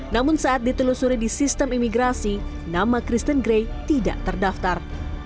namun saat ditelusuri di sistem imigrasi nama kristen gray tidak terdaftar